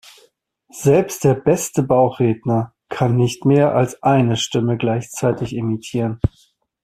Selbst der beste Bauchredner kann nicht mehr als eine Stimme gleichzeitig imitieren.